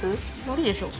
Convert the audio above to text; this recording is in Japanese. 無理でしょ。